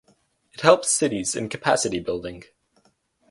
It helps cities in capacity building.